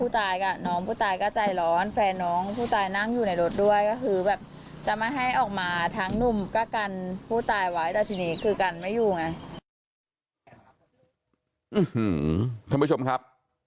ท่านผู้ชมครับ